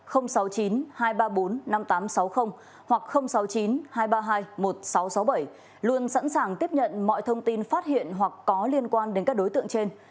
hoặc sáu mươi chín hai trăm ba mươi hai một nghìn sáu trăm sáu mươi bảy luôn sẵn sàng tiếp nhận mọi thông tin phát hiện hoặc có liên quan đến các đối tượng trên